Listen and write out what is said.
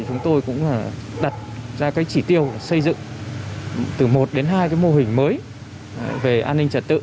chúng tôi cũng đặt ra cái chỉ tiêu xây dựng từ một đến hai cái mô hình mới về an ninh trật tự